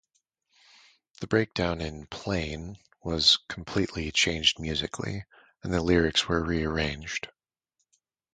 The breakdown in "Plain" was completely changed musically, and the lyrics were re-arranged.